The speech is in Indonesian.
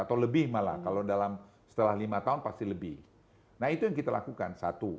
atau lebih malah kalau dalam setelah lima tahun pasti lebih nah itu yang kita lakukan satu